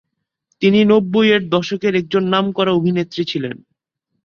তিনি নব্বই এর দশকের একজন নামকরা অভিনেত্রী ছিলেন।